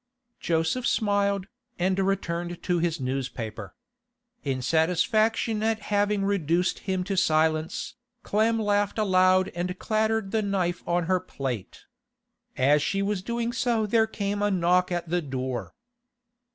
Joseph smiled, and returned to his newspaper. In satisfaction at having reduced him to silence, Clem laughed aloud and clattered with the knife on her plate. As she was doing so there came a knock at the door.